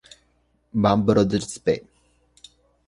Band Brothers P".